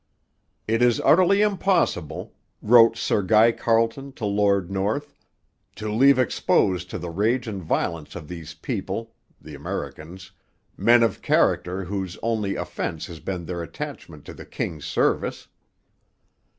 'It is utterly impossible,' wrote Sir Guy Carleton to Lord North, 'to leave exposed to the rage and violence of these people [the Americans] men of character whose only offence has been their attachment to the King's service.'